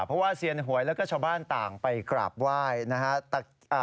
เพราะว่าเซียนหวยแล้วก็ชาวบ้านต่างไปกราบไหว้นะฮะ